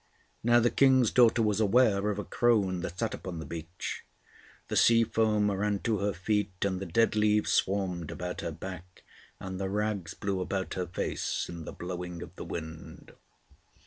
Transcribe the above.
Now the King's daughter was aware of a crone that sat upon the beach. The sea foam ran to her feet, and the dead leaves swarmed about her back, and the rags blew about her face in the blowing of the wind.